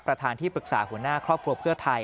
ประธานที่ปรึกษาหัวหน้าครอบครัวเพื่อไทย